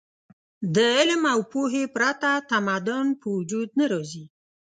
د علم او پوهې پرته تمدن په وجود نه راځي.